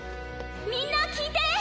みんな聞いて！